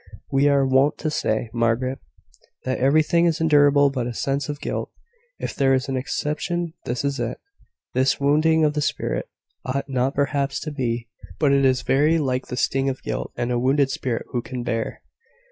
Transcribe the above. We are wont to say, Margaret, that everything is endurable but a sense of guilt. If there be an exception, this is it. This wounding of the spirit ought not perhaps to be, but it is very like the sting of guilt; and a `wounded spirit who can bear?'"